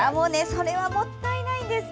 それはもったいないんです。